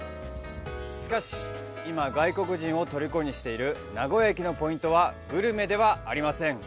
しかし今、外国人を虜にしている名古屋駅のポイントはグルメではありません。